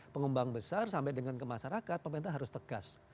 pengembang besar sampai dengan kemasyarakat pemerintah harus tegas